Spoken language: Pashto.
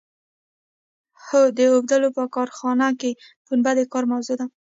هو د اوبدلو په کارخانه کې پنبه د کار موضوع ده.